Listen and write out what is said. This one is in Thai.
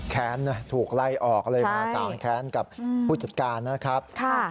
แค้นนะถูกไล่ออกเลยมาสางแค้นกับผู้จัดการนะครับ